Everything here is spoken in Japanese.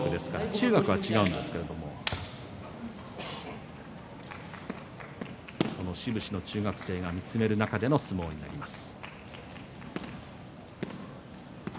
中学は違うんですけれどもその志布志の中学生が見つめる中での相撲です。